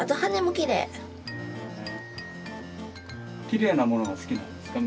きれいなものが好きなんですか？